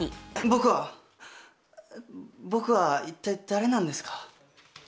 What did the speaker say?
僕は、僕は一体誰なんですか？